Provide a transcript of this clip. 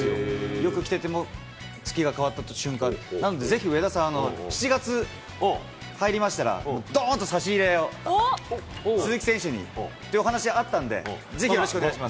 よくきてても、月が変わった瞬間、なんでぜひ、上田さん７月に入りましたら、どーんと差し入れを、鈴木選手にというお話あったんで、ぜひよろしくお願いします。